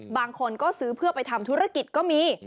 บางคนก็ซื้อเพื่อไปทำธุรกิจก็มี